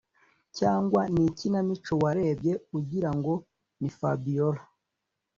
cyangwa ni ikinamico warebye ugira ngo ni fabiora